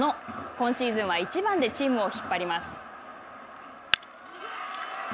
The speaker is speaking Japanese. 今シーズンは１番でチームを引っ張ります。